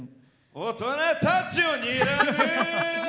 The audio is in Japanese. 「大人たちをにらむ」。